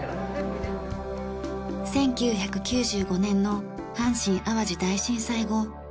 １９９５年の阪神・淡路大震災後